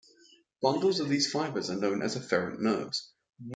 Bundles of these fibres are known as "efferent nerves".